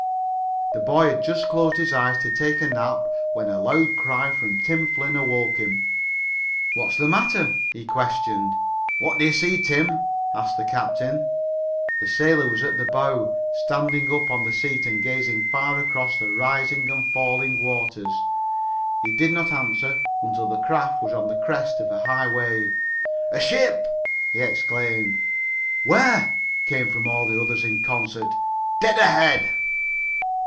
The boy had just closed his eyes to take a nap when a loud cry from Tim Flynn awoke him. "What's the matter?" he questioned. "What do you see, Tim?" asked the captain. The sailor was at the bow, standing up on the seat and gazing far across the rising and falling waters. He did not answer until the craft was on the crest of a high wave. "A ship!" he exclaimed. "Where?" came from all of the others in concert. "Dead ahead!"